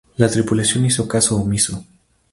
La tripulación hizo caso omiso.